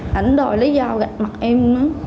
hẳn đòi lấy dao gạch mặt em